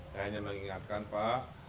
saya hanya mengingatkan pak